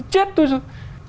chết tôi rồi